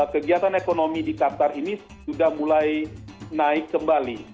kegiatan ekonomi di qatar ini sudah mulai naik kembali